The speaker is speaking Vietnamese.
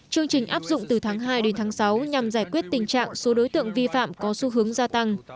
chương trình áp dụng từ tháng hai đến tháng sáu nhằm giải quyết tình trạng số đối tượng vi phạm có xu hướng gia tăng